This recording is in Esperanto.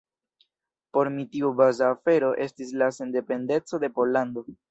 Por mi tiu baza afero estis la sendependeco de Pollando.